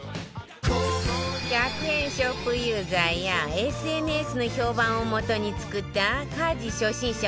１００円ショップユーザーや ＳＮＳ の評判を基に作った家事初心者